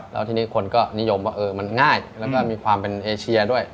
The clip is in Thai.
แล้วทีนี้คนก็นิยมว่ามันง่ายแล้วก็มีความเป็นเอเชียด้วย